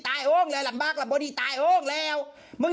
คุณก็ต้องรู้ว่าเลขบัญชีอะไรหรือเปล่าค่ะ